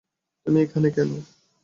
তুমি এখানে কেন?